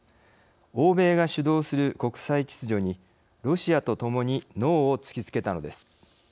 欧米が主導する国際秩序にロシアと共にＮＯを突きつけたのです。